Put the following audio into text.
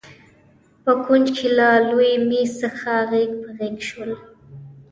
په کونج کې له لوی مېز څخه غېږ په غېږ شول.